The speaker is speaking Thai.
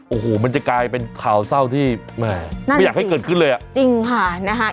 โอ้โหมันจะกลายเป็นข่าวเศร้าที่แม่ไม่อยากให้เกิดขึ้นเลยอ่ะจริงค่ะนะฮะ